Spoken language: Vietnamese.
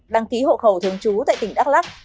đăng ký hộ khẩu thường trú tại tp đắc lắc